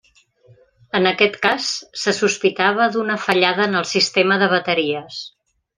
En aquest cas, se sospitava d'una fallada en el sistema de bateries.